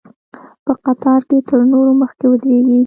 په قطار کې تر نورو مخکې ودرېږي.